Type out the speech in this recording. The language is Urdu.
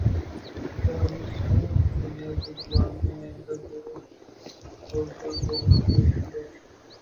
سحری میں جنید اقبال نے اینکر کے طور پر پروگرام پیش کیا